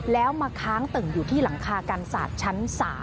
แล้วมาค้างตึ่งอยู่ที่หลังคากันศาสตร์ชั้น๓